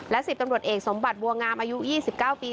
๑๐ตำรวจเอกสมบัติบัวงามอายุ๒๙ปี